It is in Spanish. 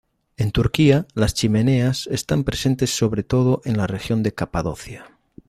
En Turquía, las chimeneas están presentes sobre todo en la región de Capadocia.